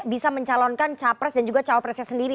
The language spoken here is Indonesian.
bisa mencalonkan capres dan juga cawapresnya sendiri